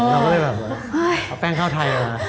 เราก็เลยแบบเอาแป้งข้าวไทยมา